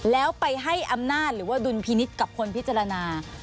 แล้วไปให้อำนาจหรือว่าดุลพินิษฐ์กับคนพิจารณา